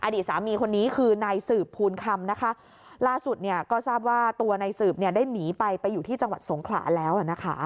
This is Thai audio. อดีตสามีคนนี้คือนายสืบภูลคำนะคะล่าสุดเนี่ยก็ทราบว่าตัวนายสืบเนี่ยได้หนีไปไปอยู่ที่จังหวัดสงขลาแล้วนะคะ